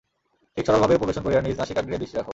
ঠিক সরলভাবে উপবেশন করিয়া নিজ নাসিকাগ্রে দৃষ্টি রাখো।